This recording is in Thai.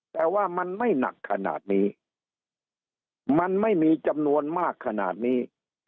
แต่ว่ามันไม่หนักขนาดนี้มันไม่มีจำนวนมากขนาดนี้